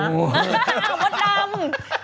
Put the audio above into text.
อ้าวมูดดำ